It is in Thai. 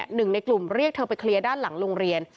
หนึ่งในกลุ่มเรียกเธอไปเคลียร์ด้านหลังโรงเรียน